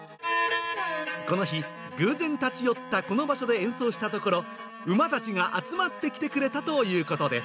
この日、偶然立ち寄ったこの場所で演奏したところ、馬たちが集まってきてくれたということです。